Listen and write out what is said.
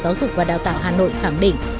giáo dục và đào tạo hà nội khẳng định